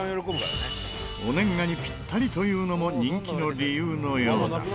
お年賀にピッタリというのも人気の理由のようだ